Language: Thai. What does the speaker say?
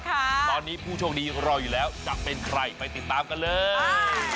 ตอนนี้ผู้โชคดีรออยู่แล้วจะเป็นใครไปติดตามกันเลย